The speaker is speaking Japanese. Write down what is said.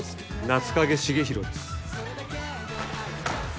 夏影重弘です。